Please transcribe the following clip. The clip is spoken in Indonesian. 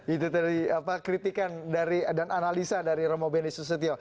itu tadi kritikan dan analisa dari romo beni susetio